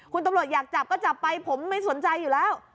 คุณตำรวจอยากจับก็จับไปผมไม่สนใจอยู่แล้ว